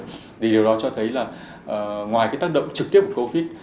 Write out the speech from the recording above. thì điều đó cho thấy là ngoài cái tác động trực tiếp của covid